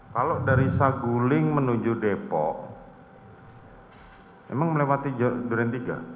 kalau dari sakuling menuju depok emang melewati duren tiga